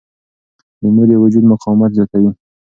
لیمو د وجود مقاومت زیاتوي.